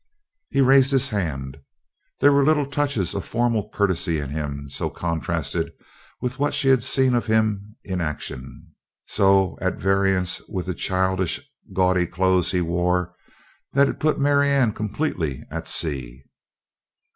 He raised his hand. There were little touches of formal courtesy in him so contrasted with what she had seen of him in action, so at variance with the childishly gaudy clothes he wore, that it put Marianne completely at sea.